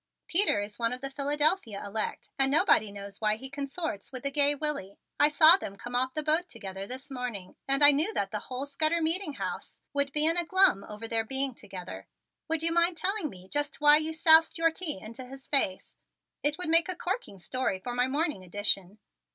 Peter is of the Philadelphia elect and nobody knows why he consorts with the gay Willie. I saw them come off the boat together this morning and I knew that the whole Scudder Meeting House would be in a glum over their being together. Would you mind telling me just why you soused your tea into his face? It would make a corking story for my morning edition.